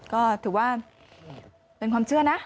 ก็ถือว่าเป็นความเชื่อนะ